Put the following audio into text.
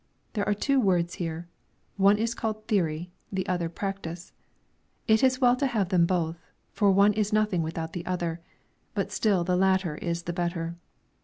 There are two words here: one is called Theory, the other Practice. It is well to have them both, for one is nothing without the other; but still the latter is the better.